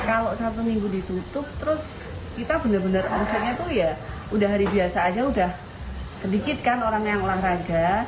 kalau satu minggu ditutup terus kita benar benar omsetnya itu ya udah hari biasa aja udah sedikit kan orang yang olahraga